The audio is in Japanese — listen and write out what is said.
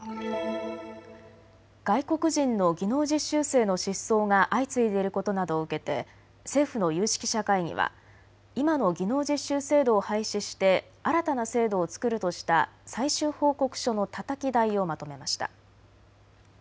外国人の技能実習生の失踪が相次いでいることなどを受けて政府の有識者会議は今の技能実習制度を廃止して新たな制度を作るとした最終報告書のたたき台をまとめました。